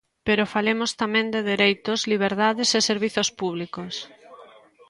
Pero falemos tamén de dereitos, liberdades e servizos públicos.